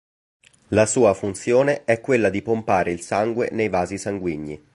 La sua funzione è quella di pompare il sangue nei vasi sanguigni.